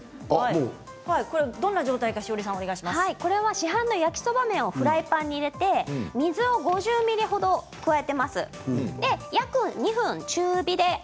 市販の焼きそば麺をフライパンに入れて水を５０ミリリットル程入れています。